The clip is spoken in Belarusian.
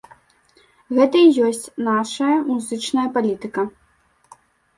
Гэта і ёсць нашая музычная палітыка.